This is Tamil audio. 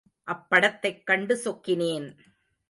அப்படத்தைக் கண்டு சொக்கினேன்.